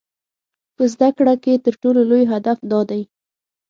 په زده کړه کې تر ټولو لوی هدف دا دی.